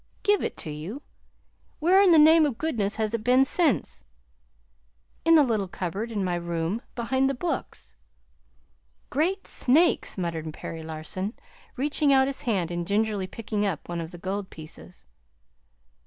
"Gave it to you! Where in the name of goodness has it been since?" "In the little cupboard in my room, behind the books." "Great snakes!" muttered Perry Larson, reaching out his hand and gingerly picking up one of the gold pieces.